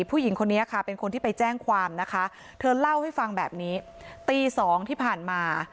ผู้หญิงคนนี้ค่ะเป็นคนที่ไปแจ้งความนะคะเธอเล่าให้ฟังแบบนี้ตีสองที่ผ่านมา